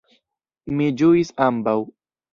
Mi ĝuis ambaŭ.